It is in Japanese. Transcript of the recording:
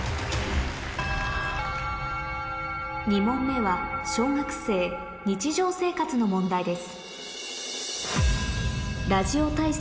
２問目は小学生の問題です